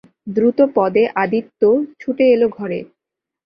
দ্রুতপদে আদিত্য ছুটে এল ঘরে।